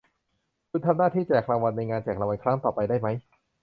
คุณทำหน้าที่แจกรางวัลในงานแจกรางวัลครั้งต่อไปได้มั้ย